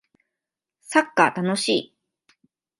サッカー楽しい